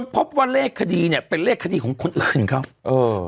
พบว่าเลขคดีเนี่ยเป็นเลขคดีของคนอื่นเขาเออ